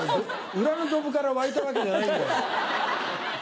裏のドブから湧いたわけじゃないんだよ。